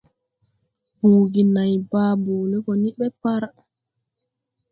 Buugi nãy baa boole go ni ɓe par.